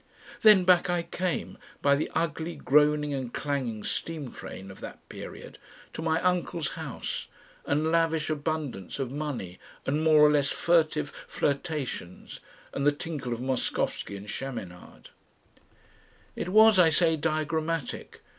Then back I came, by the ugly groaning and clanging steam train of that period, to my uncle's house and lavish abundance of money and more or less furtive flirtations and the tinkle of Moskowski and Chaminade. It was, I say, diagrammatic.